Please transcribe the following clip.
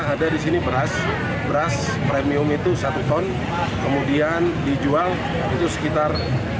ada di sini beras beras premium itu satu ton kemudian dijual itu sekitar